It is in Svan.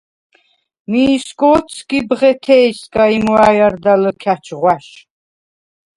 მიი სგო̄თსკი ბღეთეჲსგა, იმვა̈ჲ არდა ლჷქა̈ჩ ღვაშ.